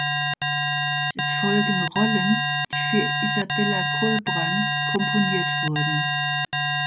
Es folgen Rollen, die für Isabella Colbran komponiert wurden.